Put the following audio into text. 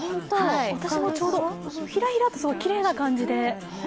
私もちょうど、ひらひらってきれいな感じで。